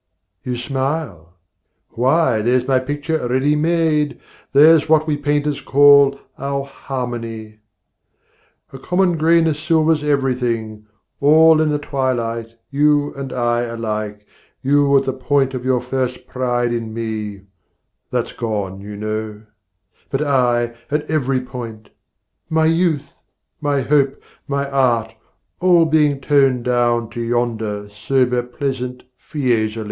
You smile? why, there's my picture ready made, There's what we painters call our harmony! A common greyness silvers everything, All in a twilight, you and I alike You, at the point of your first pride in me (That's gone you know) , but I, at every point; My youth, my hope, my art, being all toned down To yonder sober pleasant Fiesole.